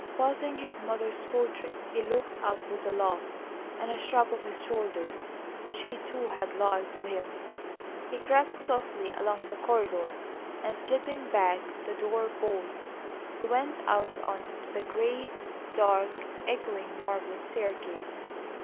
Passing his mother's portrait, he looked up with a laugh and a shrug of his shoulders. She, too, had lied to him. He crept softly along the corridor, and, slipping back the door bolts, went out on to the great, dark, echoing marble staircase.